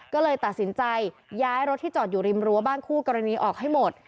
ก็เลยตัดสินใจย้ายรถที่จอดอยู่ริมรั้วบ้านคู่กรณีออกให้หมด